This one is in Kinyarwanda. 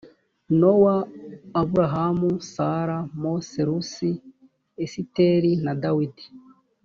nowa aburahamu sara mose rusi esiteri na dawidi